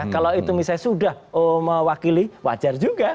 kalau itu misalnya sudah mewakili wajar juga